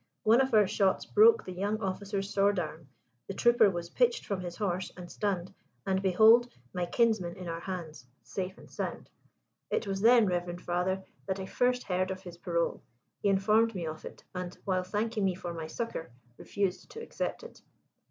One of our shots broke the young officer's sword arm, the trooper was pitched from his horse and stunned, and behold! my kinsman in our hands, safe and sound. "It was then, reverend father, that I first heard of his parole. He informed me of it, and while thanking me for my succour, refused to accept it.